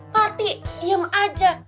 pati diam aja